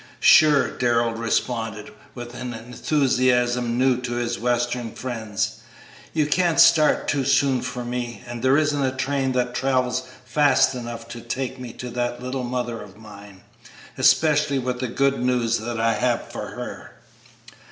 "Sure!" Darrell responded, with an enthusiasm new to his western friends; "you can't start too soon for me, and there isn't a train that travels fast enough to take me to that little mother of mine, especially with the good news I have for her."